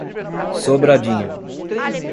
Sobradinho